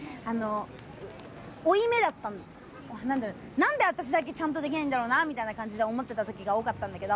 何で私だけちゃんとできないんだろうなみたいな感じで思ってた時が多かったんだけど。